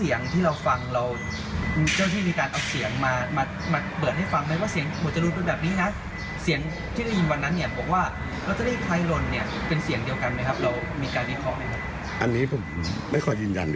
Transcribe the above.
ยุ่งเกี่ยวกับคดีหรืออะไรเพราะผมทำงานด้วยอะไรด้วย